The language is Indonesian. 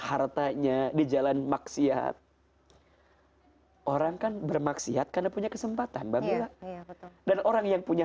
hartanya di jalan maksiat orang kan bermaksiat karena punya kesempatan mbak bella dan orang yang punya